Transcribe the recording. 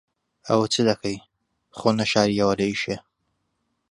ئەوە چ دەکەی؟ خۆ نەشارییەوە لە ئیشێ.